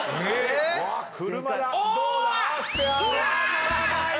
ならない！